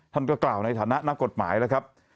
ท่านก็กล่าวในฐานะนักกฎหมายแล้วครับ